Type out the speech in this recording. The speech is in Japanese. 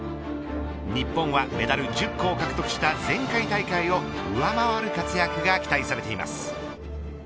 日本はメダル１０個を獲得した前回大会を上回る活躍が期待されています。